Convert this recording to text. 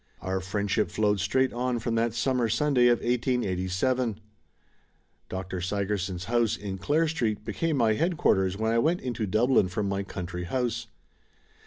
Our friendship flowed straight on from that summer Sun day of 1887. Dr. Sigerson's house in Clare Street became my headquarters when I went into Dublin from my country home.